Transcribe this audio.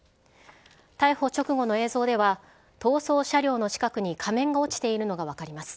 逮捕直後の映像では、逃走車両の近くに仮面が落ちているのが分かります。